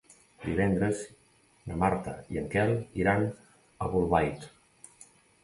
Divendres na Marta i en Quel iran a Bolbait.